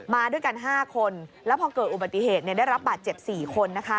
มาด้วยกัน๕คนแล้วพอเกิดอุบัติเหตุได้รับบาดเจ็บ๔คน